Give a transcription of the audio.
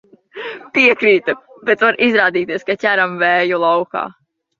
Piekrītu, bet var izrādīties, ka ķeram vēju laukā.